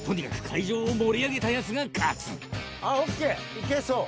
いけそう！